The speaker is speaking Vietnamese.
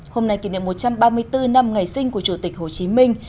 hôm nay kỷ niệm một trăm ba mươi bốn năm ngày sinh của chủ tịch hồ chí minh